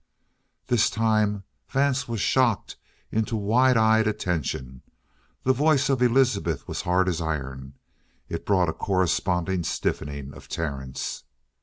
This time Vance was shocked into wide eyed attention. The voice of Elizabeth was hard as iron. It brought a corresponding stiffening of Terence.